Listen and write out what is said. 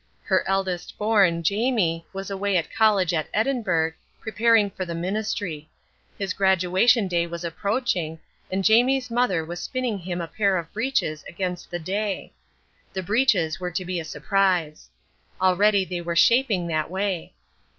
Her eldest born, Jamie, was away at college at Edinburgh, preparing for the ministry. His graduation day was approaching, and Jamie's mother was spinning him a pair of breeches against the day. The breeches were to be a surprise. Already they were shaping that way.